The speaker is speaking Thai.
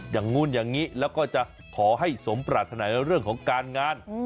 อย่างนู้นอย่างนี้แล้วก็จะขอให้สมปรารถนาเรื่องของการงาน